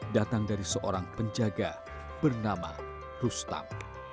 datang dari seorang penjaga bernama rustam